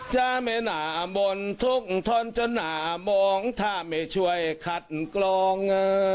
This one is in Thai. จะไม่หนามนทุกข์ทนจนหนามองถ้าไม่ช่วยคัดกรอง